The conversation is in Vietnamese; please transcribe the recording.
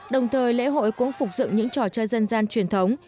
đồng thời lễ hội cũng phục dựng những trò chơi dân gian truyền thống